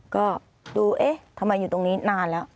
ก็ดูเอ๊ะทำไมอยู่ตรงนี้นานแล้ว